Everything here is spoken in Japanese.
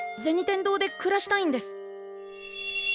天堂で暮らしたいんです。